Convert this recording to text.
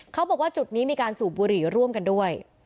เขาบอกว่าจุดนี้มีการสูบบุหรี่ร่วมกันด้วย